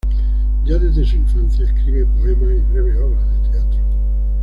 Ya desde su infancia escribe poemas y breves obras de teatro.